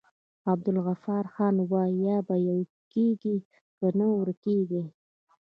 عبدالغفارخان وايي: یا به يو کيږي که نه ورکيږی.